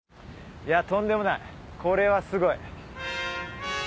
いやとんでもないこれはすごい。